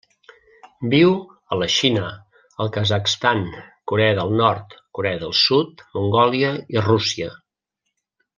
Viu a la Xina, el Kazakhstan, Corea del Nord, Corea del Sud, Mongòlia i Rússia.